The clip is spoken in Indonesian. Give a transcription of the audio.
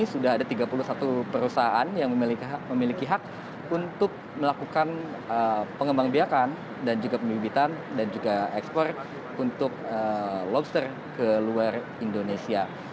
sudah ada tiga puluh satu perusahaan yang memiliki hak untuk melakukan pengembang biakan dan juga pembibitan dan juga ekspor untuk lobster ke luar indonesia